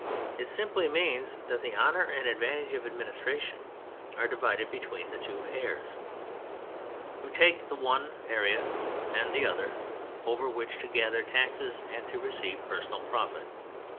It simply means that the honor and advantage of administration are divided between the two heirs, who take, the one the one area, the other the other, over which to gather taxes and to receive personal profit.